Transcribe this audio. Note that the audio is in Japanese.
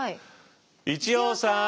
一葉さん。